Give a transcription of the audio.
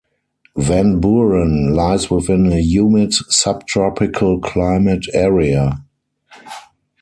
Van Buren lies within a humid subtropical climate area.